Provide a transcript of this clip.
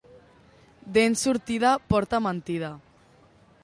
Dent sortida porta mentida.